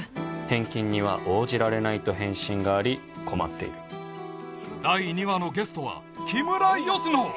返金には応じられないと返信があり困っている第２話のゲストは木村佳乃